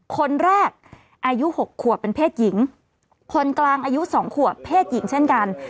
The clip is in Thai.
คนแรกอายุ๖ขวบเป็นเพศหญิงคนกลางอายุ๒ขวบเพศหญิงเช่นกัน